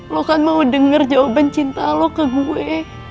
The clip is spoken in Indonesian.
lo kan mau dengar jawaban cinta lo ke gue